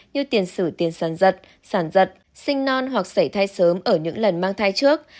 như tiền xử tiền sản dật sản dật sinh non hoặc xảy thai sớm ở những lần mang thai trước